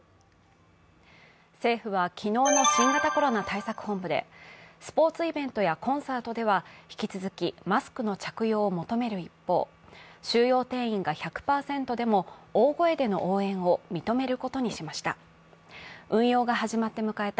政府は昨日の新型コロナ対策本部でスポーツイベントやコンサートでは引き続きマスクの着用を求める一方収容定員が１００％でも大声での応援を認めることにしました。